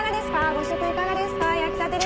ご試食いかがですか？